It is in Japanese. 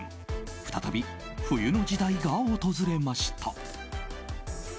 再び冬の時代が訪れました。